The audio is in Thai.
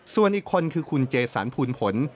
ส่วนอีกคนคือคุณเจสันภูลผล